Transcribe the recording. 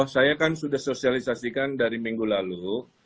saya kan sudah sosialisasikan dari minggu lalu